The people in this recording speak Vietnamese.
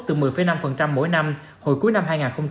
từ một mươi năm mỗi năm hồi cuối năm hai nghìn hai mươi